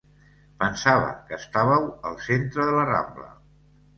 Pensava que estàveu al centre de la Rambla.